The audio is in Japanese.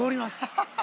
ハハハハ！